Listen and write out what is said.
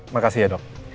makasih ya dok